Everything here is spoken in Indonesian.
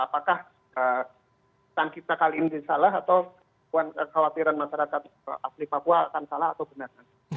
apakah kita kali ini salah atau kekhawatiran masyarakat asli papua akan salah atau benar